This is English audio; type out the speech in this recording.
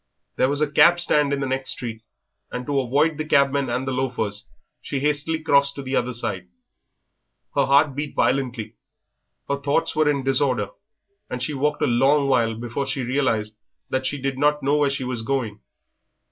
There was a cab stand in the next street, and to avoid the cabmen and the loafers she hastily crossed to the other side. Her heart beat violently, her thoughts were in disorder, and she walked a long while before she realised that she did not know where she was going.